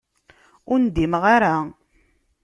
Ur ndimeɣ ara.